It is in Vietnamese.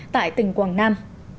tại tỉnh quảng nam